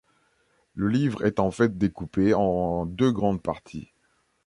Le livre est en fait découpé en deux grandes parties.